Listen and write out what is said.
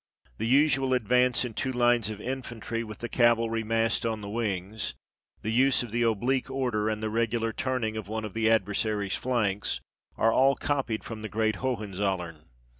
The usual advance in two lines of infantry, with the cavalry massed on the wings the use of the oblique order and the regular turning of one of the adversary's flanks, are all copied from the great Hohenzollern.